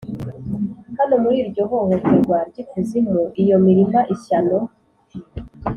hano muri iryo hohoterwa ry'ikuzimu, iyo mirima ishyano -